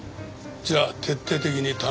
じゃあ徹底的に頼む。